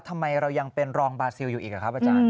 ทำไมเรายังเป็นรองบาซิลอยู่อีกหรือครับอาจารย์